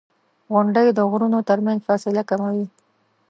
• غونډۍ د غرونو ترمنځ فاصله کموي.